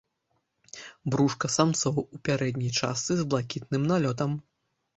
Брушка самцоў у пярэдняй частцы з блакітным налётам.